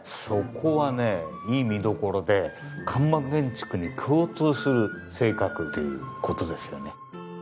そこはねいい見どころで看板建築に共通する性格という事ですよね。